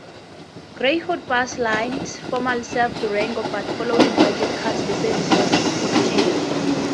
Greyhound Bus Lines formerly served Durango, but following budget cuts the service was discontinued.